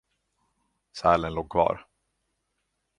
Sälen låg kvar.